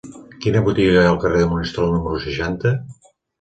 Quina botiga hi ha al carrer de Monistrol número seixanta?